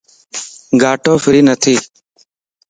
گاٽو فري نه ٿي